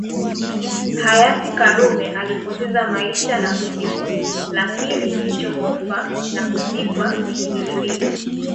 Hayati karume alipoteza maisha na kuzikwa lakini kichokufa na kuzikwa ni kiwiliwili